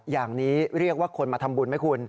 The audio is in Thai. อย่างนี้เรียกว่าคนมาทำบุญไหมคุณ